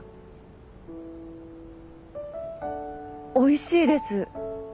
おいしいです。